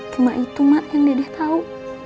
cuma itu emak yang dede tau